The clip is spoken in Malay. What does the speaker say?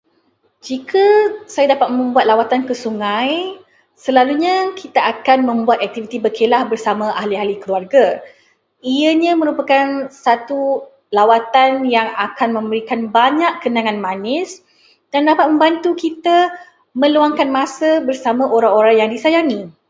Jika saya dapat membuat lawatan ke sungai, selalunya kita akan membuat aktiviti berkelah bersama ahli-ahli keluarga. Ianya merupakan satu lawatan yang akan memberikan banyak kenangan manis dan dapat membantu kita meluangkan masa bersama orang-orang yang disayangi.